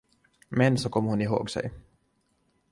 Men så kom hon ihåg sig.